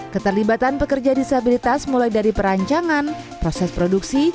keterlibatan pekerja disabilitas mulai dari perancangan proses produksi